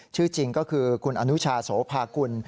ชื่อจริงก็คือคุณอนุชาโสภากุล